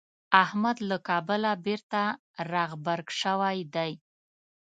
احمد له کابله بېرته راغبرګ شوی دی.